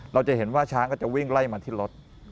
เราจะเห็นว่าช้างก็จะวิ่งไล่มาที่รถ